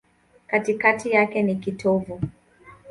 Katikati yake ni kitovu.